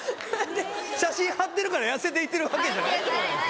写真貼ってるから痩せていってるわけじゃないと思います。